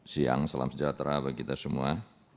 siang salam sejahtera bagi kita semua